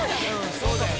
そうだよね。